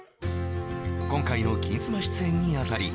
今回の「金スマ」出演にあたり